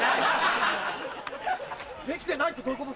出来てないってどういうこと？